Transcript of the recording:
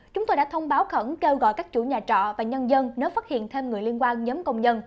chúng tôi đã thông báo khẩn kêu gọi các chủ nhà trọ và nhân dân nếu phát hiện thêm người liên quan nhóm công nhân